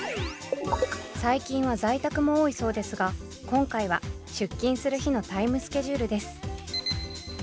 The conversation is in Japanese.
最近は在宅も多いそうですが今回は出勤する日のタイムスケジュールです。